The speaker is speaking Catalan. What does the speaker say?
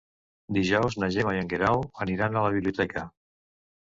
Dijous na Gemma i en Guerau aniran a la biblioteca.